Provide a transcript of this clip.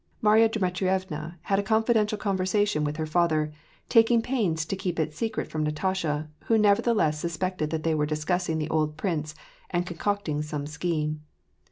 Marya Dmitrievna had a confidential conversar tion with her father, taking pains to keep it a secret from Na tasha, who nevertheless suspected that they were discussing the old prince, and concocting some scheme.